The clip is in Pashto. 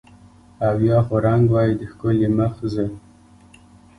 او یا خو رنګ وای د ښکلي مخ زه